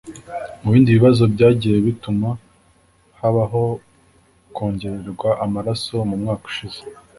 Mu bindi bibazo byagiye bituma habaho kongererwa amaraso mu mwaka ushize